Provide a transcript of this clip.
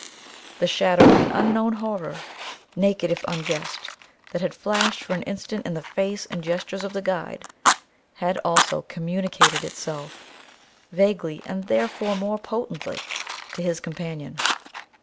The shadow of an unknown horror, naked if unguessed, that had flashed for an instant in the face and gestures of the guide, had also communicated itself, vaguely and therefore more potently, to his companion.